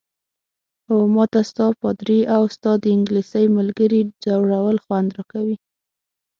اوه، ما ته ستا، پادري او ستا د انګلیسۍ ملګرې ځورول خوند راکوي.